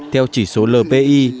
theo chỉ số lpi